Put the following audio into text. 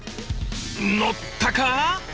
のったか？